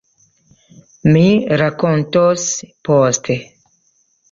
Mi rakontos poste...